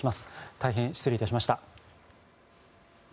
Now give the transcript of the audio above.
大変失礼いたしました。